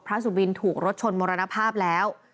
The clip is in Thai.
สุบินถูกรถชนมรณภาพแล้ว